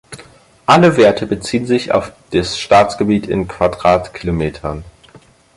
Alle Werte beziehen sich auf das Staatsgebiet in Quadratkilometern.